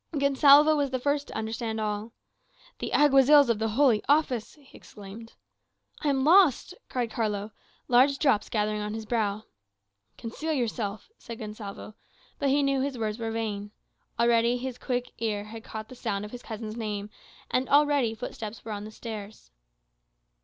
Gonsalvo was the first to understand all. "The Alguazils of the Holy Office!" he exclaimed. "I am lost!" cried Carlos, large drops gathering on his brow. "Conceal yourself," said Gonsalvo; but he knew his words were vain. Already his quick ear had caught the sound of his cousin's name; and already footsteps were on the stairs.